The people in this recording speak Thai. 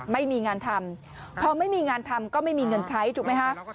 ไม่มีงานทำพอไม่มีงานทำก็ไม่มีเงินใช้ถูกไหมฮะ